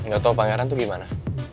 gak tahu pak yaran itu gimana